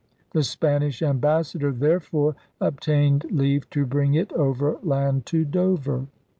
The Spanish ambassador therefore ob tained leave to bring it overland to Dover.